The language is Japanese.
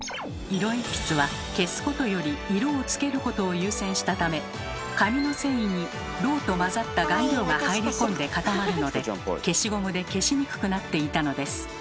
色鉛筆は消すことより色をつけることを優先したため紙の繊維にロウと混ざった顔料が入り込んで固まるので消しゴムで消しにくくなっていたのです。